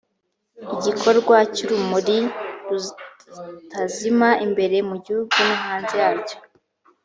igikorwa cy urumuri rutazima imbere mu gihugu no hanze yacyo